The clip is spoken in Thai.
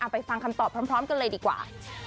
ไปฟังคำตอบพร้อมกันเลยดีกว่า